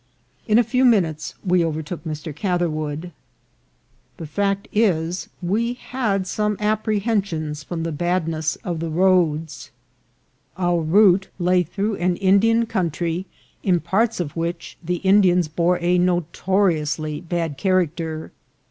In a few minutes we overtook Mr. Catherwood. The fact is, we had some apprehensions from the 264 INCIDENTS OF TRAVEL. badness of the roads. Our route lay through an Indian country, in parts of which the Indians bore a notoriously bad character.